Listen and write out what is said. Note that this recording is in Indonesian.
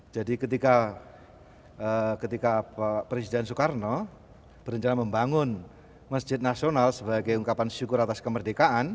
jadi ketika presiden soekarno berencana membangun masjid nasional sebagai ungkapan syukur atas kemerdekaan